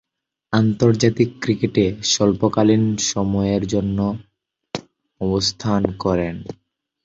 আন্তর্জাতিক ক্রিকেটে স্বল্পকালীন সময়ের জন্যে অবস্থান করেন।